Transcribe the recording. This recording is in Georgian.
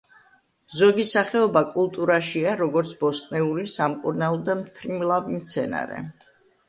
ზოგი სახეობა კულტურაშია, როგორც ბოსტნეული, სამკურნალო და მთრიმლავი მცენარე.